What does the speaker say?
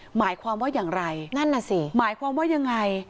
หมายความว่าอย่างไรนั่นน่ะสิหมายความว่ายังไง